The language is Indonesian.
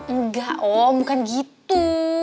enggak om bukan gitu